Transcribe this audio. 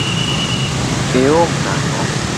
Ihum nang’o?